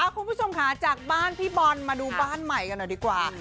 คุณผู้ชมค่ะจากบ้านพี่บอลมาดูบ้านใหม่กันหน่อยดีกว่า